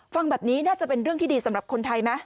ฟังแบบนี้น่าจะเป็นเรื่องที่ดีสำหรับคนไทยไหม